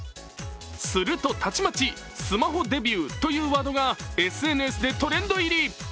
すると、たちまち「スマホデビュー」というワードがＳＮＳでトレンド入り。